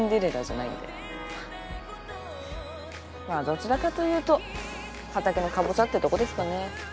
まあどちらかというと畑のカボチャってとこですかね。